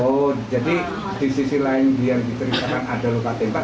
oh jadi di sisi lain dia diterima ada luka tembak